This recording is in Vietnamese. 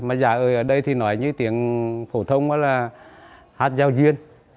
mà già ơi ở đây thì nói như tiếng phổ thông đó là hát giao duyên